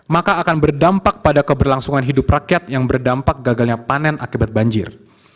maka akan berdampak pada keberlangsungan hidup rakyat yang berdampak gagalnya panen akibat banjir